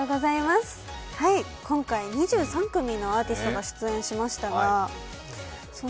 今回、２３組のアーティストが出演しました。